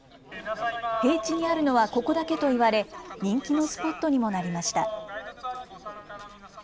平地にあるのはここだけと言われ人気のスポットにもなりました。